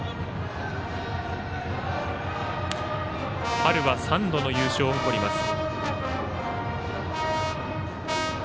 春は３度の優勝を誇ります。